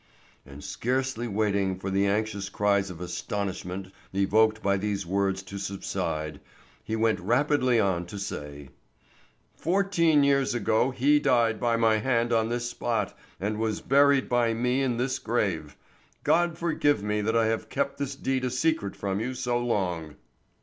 and scarcely waiting for the anxious cries of astonishment evoked by these words to subside, he went rapidly on to say: "Fourteen years ago he died by my hand on this spot and was buried by me in this grave. God forgive me that I have kept this deed a secret from you so long."